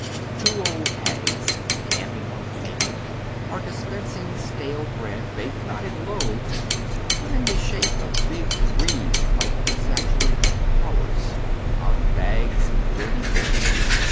Two old hags, camping on the pavement, are dispensing stale bread, baked not in loaves, hut in the shape of big wreaths like exaggerated crullers, out of bags of dirty bed tick.